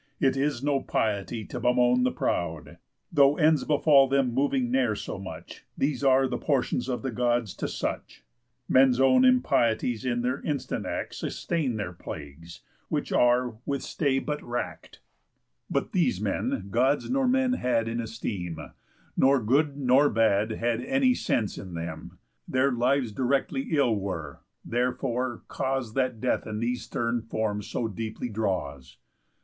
It is no piety to bemoan the proud, Though ends befall them moving ne'er so much, These are the portions of the Gods to such. Men's own impieties in their instant act Sustain their plagues, which are with stay but rackt. But these men Gods nor men had in esteem, Nor good nor bad had any sense in them, Their lives directly ill were, therefore, cause That Death in these stern forms so deeply draws.